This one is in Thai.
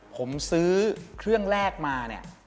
ผมซื้อเครื่องแรกมา